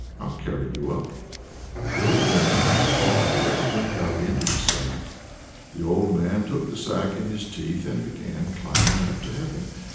I'll carry you up." The old woman thought a bit, and then got into the sack. The old man took the sack in his teeth, and began climbing up to heaven.